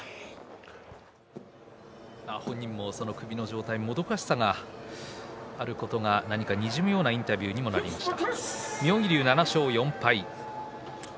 本人もその首の状態もどかしさが何かにじみ出るようなインタビューになりました。